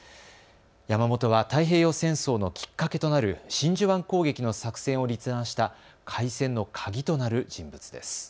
山本は太平洋戦争のきっかけとなる真珠湾攻撃の作戦を立案した開戦の鍵となる人物です。